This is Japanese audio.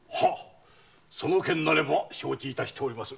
その件なれば承知致しておりまする。